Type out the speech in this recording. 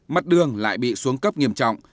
mặt đường lại bị xuống cấp nghiêm trọng